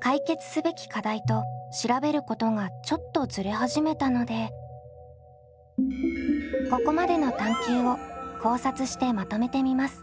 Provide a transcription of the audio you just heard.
解決すべき課題と調べることがちょっとずれ始めたのでここまでの探究を考察してまとめてみます。